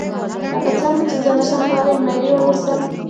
لکه څنګه چې زه نشم کولای چې مریی واوسم.